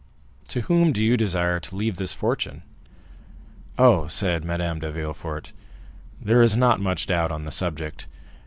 "To whom do you desire to leave this fortune?" "Oh!" said Madame de Villefort, "there is not much doubt on that subject.